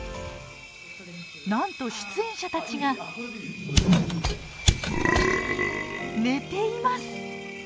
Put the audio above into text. なんと出演者たちが寝ています。